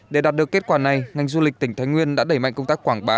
để đạt được kết quả này ngành du lịch tỉnh thái nguyên đã đẩy mạnh công tác quảng bá